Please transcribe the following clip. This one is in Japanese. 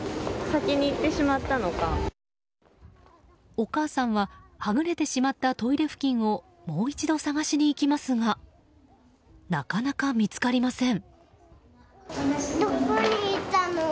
お母さんははぐれてしまったトイレ付近をもう一度捜しに行きますがなかなか見つかりません。